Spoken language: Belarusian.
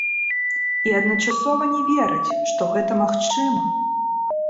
І адначасова не вераць, што гэта магчыма.